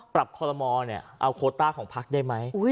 ปรับคอลโลมอล์เนี่ยเอาโคต้าของพักได้ไหม